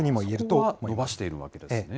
それは伸ばしているわけですね。